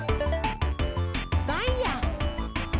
ダイヤ！